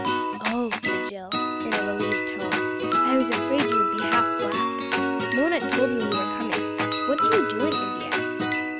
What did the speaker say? "Oh," said Jill in a relieved tone: "I was afraid you would be half black. Mona told me you were coming. What do you do in India?"